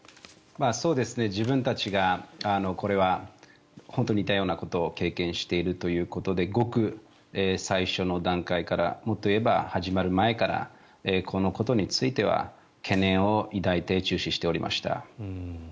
自分たちがこれは本当に似たようなことを経験しているということでごく最初の段階からもっと言えば始まる前からこのことについては懸念を抱いて注視しておりました。